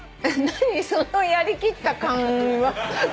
何そのやりきった顔。